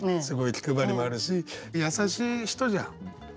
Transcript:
すごい気配りもあるし優しい人じゃん。